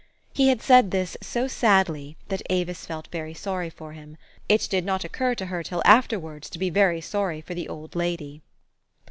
He had said this so sadly, that Avis felt very sorry for him. It did not occur to her till afterwards to be very sorry for the old lady.